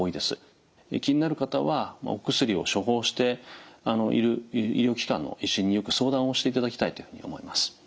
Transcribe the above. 気になる方はお薬を処方をしている医療機関の医師によく相談をしていただきたいと思います。